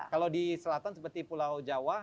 kalau di selatan seperti pulau jawa